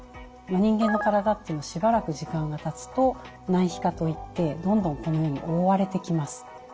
人間の体っていうのはしばらく時間がたつと内皮化といってどんどんこのように覆われてきます。